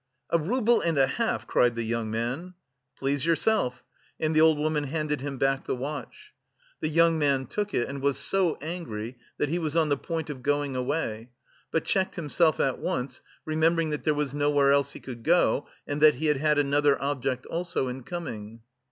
"A rouble and a half!" cried the young man. "Please yourself" and the old woman handed him back the watch. The young man took it, and was so angry that he was on the point of going away; but checked himself at once, remembering that there was nowhere else he could go, and that he had had another object also in coming.